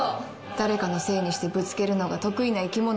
誰かのせいにしてぶつけるのが得意な生き物でしょ？